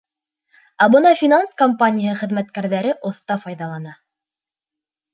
Ә бынан финанс компанияһы хеҙмәткәрҙәре оҫта файҙалана.